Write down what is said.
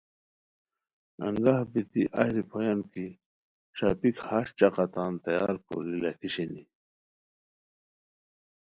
انگاہ بیتی اہی روپھویان کی ݰاپیک ہݰ چقہ تان تیار کوری لاکھی شینی